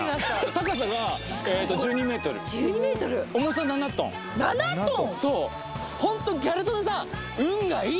高さが１２ｍ１２ｍ重さ７トン７トン！